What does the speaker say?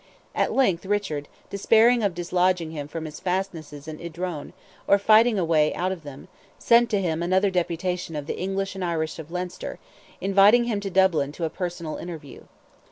At length Richard, despairing of dislodging him from his fastnesses in Idrone, or fighting a way out of them, sent to him another deputation of "the English and Irish of Leinster," inviting him to Dublin to a personal interview.